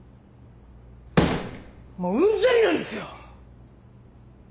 もううんざりなんですよ！